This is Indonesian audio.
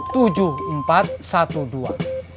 tujuh empat satu dua